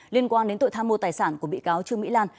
liên quan đến tội tham mô tài sản của bị cáo trương mỹ lan